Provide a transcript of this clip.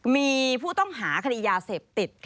มีผู้ต้องหาคดียาเสพติด